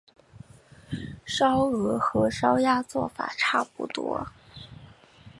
烧鹅和烧鸭做法差不多。